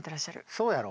そうやろ？